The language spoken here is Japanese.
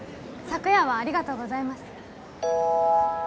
昨夜はありがとうございます